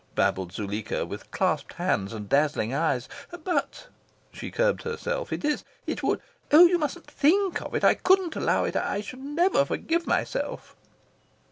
babbled Zuleika, with clasped hands and dazzling eyes. "But," she curbed herself, "it is it would oh, you mustn't THINK of it! I couldn't allow it! I I should never forgive myself!"